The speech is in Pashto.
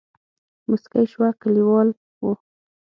موسکۍ شوه کليوال وو.